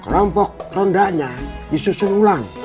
rompok rondanya disusun ulang